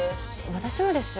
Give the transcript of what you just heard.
私もです。